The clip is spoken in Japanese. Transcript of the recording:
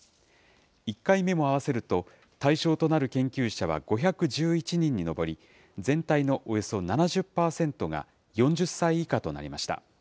１回目も合わせると、対象となる研究者は５１１人に上り、全体のおよそ７０％が４０歳以下となりました。